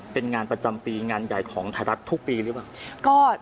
เป็นงานประจำปีงานใหญ่ของไทยรัฐทุกปีหรือเปล่า